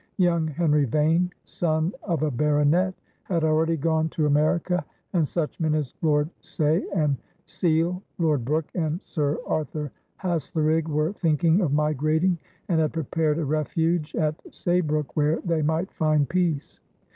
Young Henry Vane, son of a baronet, had already gone to America, and such men as Lord Saye and Sele, Lord Brooke, and Sir Arthur Haslerigg were thinking of migrating and had prepared a refuge at Saybrook where they might find peace.